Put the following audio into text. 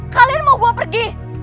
kalian mau gue pergi